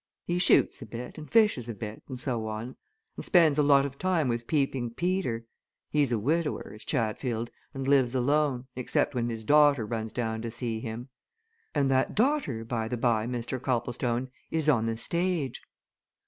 He shoots a bit, and fishes a bit, and so on, and spends a lot of time with Peeping Peter he's a widower, is Chatfield, and lives alone, except when his daughter runs down to see him. And that daughter, bye the bye, Mr. Copplestone, is on the stage."